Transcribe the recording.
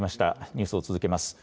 ニュースを続けます。